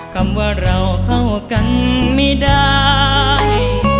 คำว่าเราเข้ากันไม่ได้